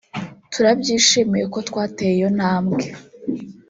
turabyishimiye kuko twateye iyo ntambwe